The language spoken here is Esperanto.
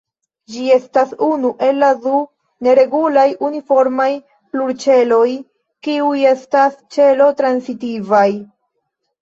Ĝi estas unu el la du ne-regulaj uniformaj plurĉeloj kiuj estas ĉelo-transitivaj.